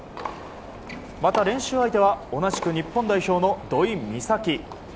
また、練習相手は同じく日本代表の土居美咲。